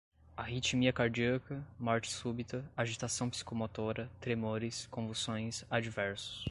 arritmia cardíaca, morte súbita, agitação psicomotora, tremores, convulsões, adversos